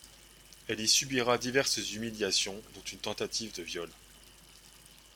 Elle y subira diverses humiliations dont une tentative de viol.